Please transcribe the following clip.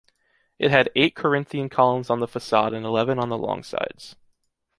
It had eight Corinthian columns on the facade and eleven on the long sides.